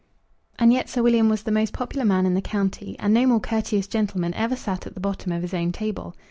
And yet Sir William was the most popular man in the county, and no more courteous gentleman ever sat at the bottom of his own table.